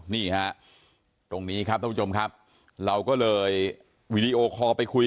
นี่ฮะตรงนี้ครับท่านผู้ชมครับเราก็เลยวีดีโอคอลไปคุย